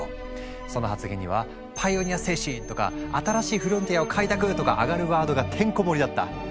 その発言には「パイオニア精神」とか「新しいフロンティアを開拓」とかアガるワードがてんこもりだった。